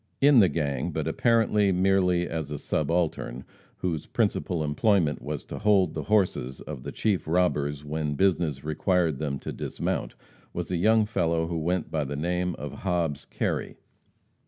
In the gang, but apparently merely as a subaltern, whose principal employment was to hold the horses of the chief robbers when business required them to dismount, was a young fellow who went by the name of Hobbs Kerry.